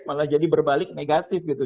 malah jadi berbalik negatif gitu